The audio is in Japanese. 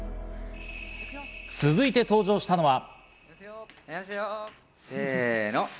続いて登場したのは。